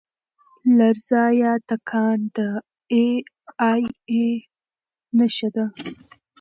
لرزه یا تکان د اې ای نښه ده.